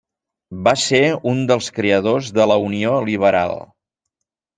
Va ser un dels creadors de la Unió Liberal.